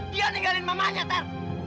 dia ninggalin mamanya ter